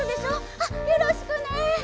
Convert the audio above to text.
あよろしくね！